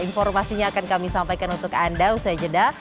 informasinya akan kami sampaikan untuk anda usai jeda